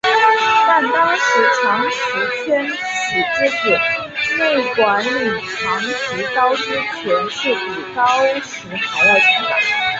但是当时长崎圆喜之子内管领长崎高资的权势比高时还要强大。